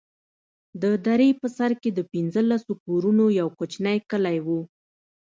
د درې په سر کښې د پنځلسو كورونو يو كوچنى كلى و.